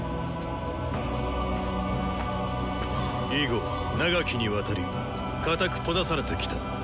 以後長きにわたりかたく閉ざされてきた。